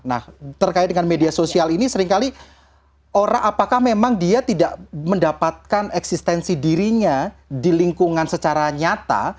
nah terkait dengan media sosial ini seringkali orang apakah memang dia tidak mendapatkan eksistensi dirinya di lingkungan secara nyata